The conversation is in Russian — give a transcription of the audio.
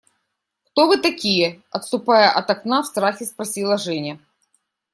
Кто вы такие? – отступая от окна, в страхе спросила Женя.